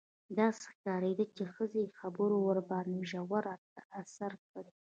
داسې ښکارېده چې د ښځې خبرو ورباندې ژور اثر کړی.